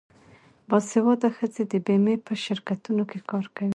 باسواده ښځې د بیمې په شرکتونو کې کار کوي.